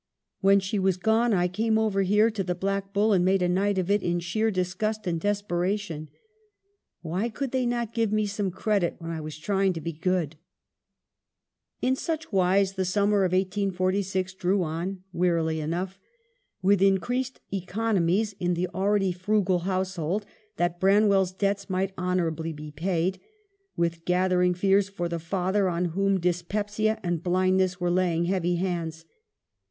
When she was gone, I came over here to the " Black Bull " and made a night of it in sheer disgust and desperation. Why could they not give me some credit when I was trying to be good ?'" In such wise the summer of 1846 drew on, wearily enough, with increased economies in the already frugal household, that Branwell's debts might honorably be paid, with gathering fears for the father, on whom dyspepsia and blindness were laying heavy hands.